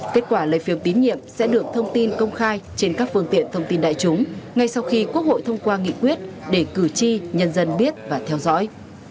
kết quả lấy phiếu tín nhiệm sẽ được thông tin công khai trên các phương tiện thông tin đại chúng ngay sau khi quốc hội thông qua nghị quyết để cử tri nhân dân biết và theo dõi